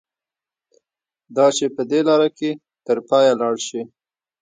دا چې په دې لاره کې تر پایه لاړ شي.